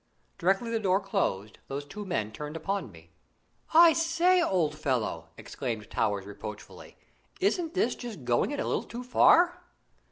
Directly the door closed those two men turned upon me. "I say, old fellow," exclaimed Towers reproachfully, "isn't this just going it a little too far?"